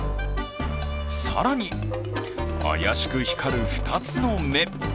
更に、怪しく光る２つの目。